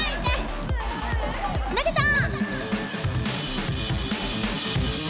投げた！